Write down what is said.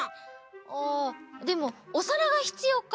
あでもおさらがひつようか。